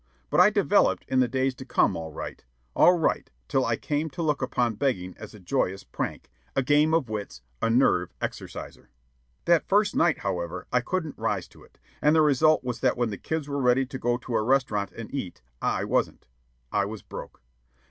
But I developed in the days to come all right, all right, till I came to look upon begging as a joyous prank, a game of wits, a nerve exerciser. That first night, however, I couldn't rise to it; and the result was that when the kids were ready to go to a restaurant and eat, I wasn't. I was broke.